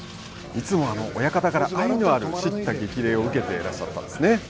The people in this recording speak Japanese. いつも、親方から、愛のある叱咤激励を受けていらっしゃったんですね？